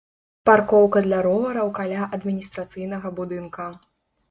Паркоўка для ровараў каля адміністрацыйнага будынка.